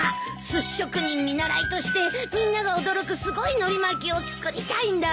すし職人見習いとしてみんなが驚くすごいのり巻きを作りたいんだ。